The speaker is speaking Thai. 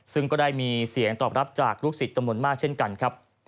ซึ่งก็ได้มีเสียงตอบรับจากลูกศิษย์จำนวนมากเช่นกันครับ